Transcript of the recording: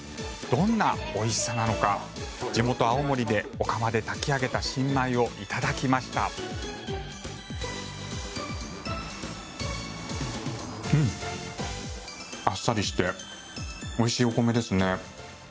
どんなおいしさなのか地元・青森でお釜で炊き上げた新米をいただきました。あっさりしておいしいお米ですね。